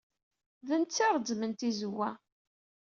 D netta ay ireẓẓmen tizewwa.